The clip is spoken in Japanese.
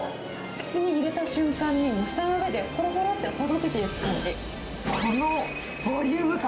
口に入れた瞬間に、舌の上でほろほろってほどけていく感じ。